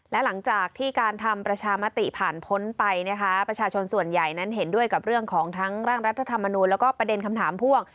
และหลังจากที่การทำประชามติผ่านพ้นไปนะคะประชาชนส่วนใหญ่นั้นเห็นด้วยกับเรื่องของทั้งร่างรัฐธรรมนูลแล้วก็ประเด็นคำถามพ่วง